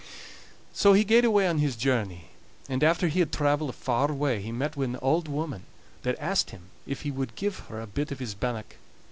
So he gaed away on his journey; and after he had traveled a far way he met wi' an auld woman, that asked him if he would give her a bit of his bannock.